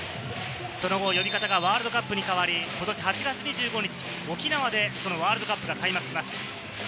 その後、呼び方がワールドカップに変わり、ことし８月２５日、沖縄でワールドカップが開幕します。